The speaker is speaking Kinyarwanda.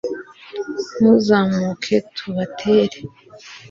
tuzamuke tubatere